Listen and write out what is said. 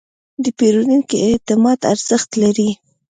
د پیرودونکي اعتماد ارزښت لري.